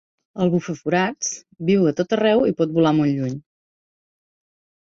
El bufaforats viu a tot arreu i pot volar molt lluny.